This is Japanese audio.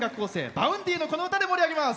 Ｖａｕｎｄｙの、この歌で盛り上げます。